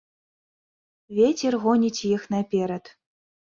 Вецер гоніць іх наперад.